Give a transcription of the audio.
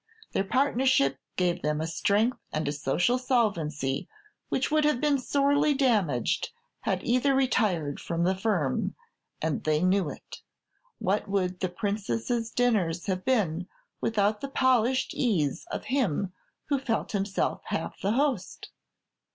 Their partnership gave them a strength and a social solvency which would have been sorely damaged had either retired from "the firm;" and they knew it. What would the Princess's dinners have been without the polished ease of him who felt himself half the host?